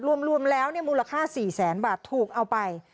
รวมรวมแล้วเนี้ยมูลค่าสี่แสนบาทถูกเอาไป